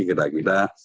ini adalah yang ketiga